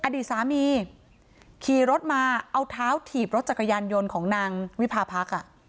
อดีตสามีขี่รถมาเอาเท้าถีบรถจักรยานยนต์ของนางวิพาพรรค